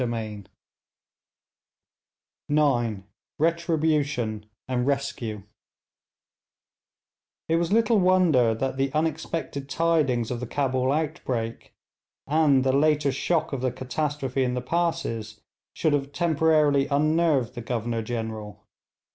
CHAPTER IX: RETRIBUTION AND RESCUE It was little wonder that the unexpected tidings of the Cabul outbreak, and the later shock of the catastrophe in the passes, should have temporarily unnerved the Governor General.